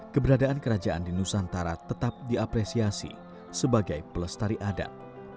keberadaan kerajaan di nusantara tetap diapresiasi sebagai pelestari adat